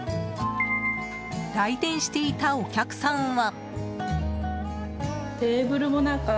来店していたお客さんは。